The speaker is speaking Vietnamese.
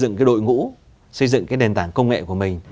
xây dựng cái đội ngũ xây dựng cái đền tảng công nghệ của mình